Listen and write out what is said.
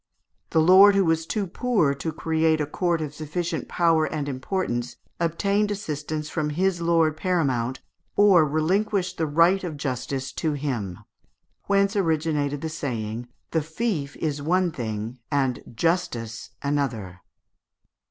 The lord who was too poor to create a court of sufficient power and importance obtained assistance from his lord paramount or relinquished the right of justice to him; whence originated the saying, "The fief is one thing, and justice another."